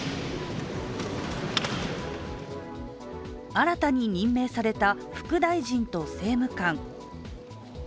新たに任命された副大臣と政務官。